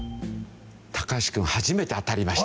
橋くん初めて当たりました。